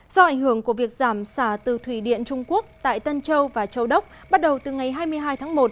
do ảnh hưởng của việc giảm xả từ thủy điện trung quốc tại tân châu và châu đốc bắt đầu từ ngày hai mươi hai tháng một